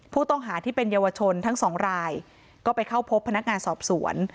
ผู้ต้องหาที่เป็นเยาวชนทั้งสองรายก็ไปเข้าพบพนักงานสอบสวน